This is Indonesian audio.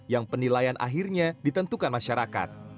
yang penilaian akhirnya ditentukan masyarakat